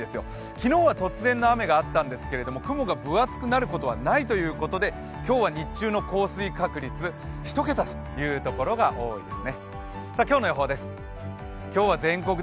昨日は突然の雨があったんですけれども雲が分厚くなることはないということで今日は日中の降水確率、１桁のところが多いです。